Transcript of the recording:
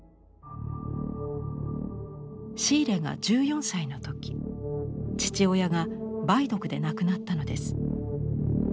シーレが１４歳の時父親が梅毒で亡くなったのです。